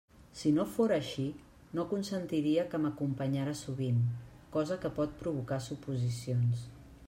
Si no fóra així, no consentiria que m'acompanyara sovint, cosa que pot provocar suposicions.